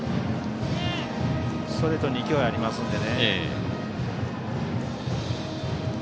ストレートに勢いがありますから。